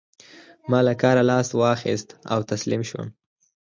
ما له کاره لاس واخيست او تسليم شوم.